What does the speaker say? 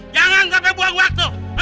jangan enggak berbuang waktu